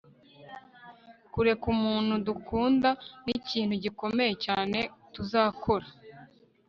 kureka umuntu dukunda nikintu gikomeye cyane tuzakora